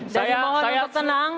saya mohon untuk tenang